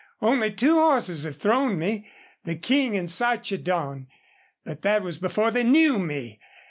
Only two horses have thrown me, the King and Sarchedon. But that was before they knew me.